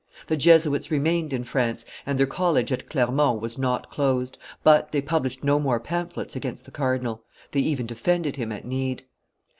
The Jesuits remained in France, and their college at Clermont was not closed; but they published no more pamphlets against the cardinal. They even defended him at need.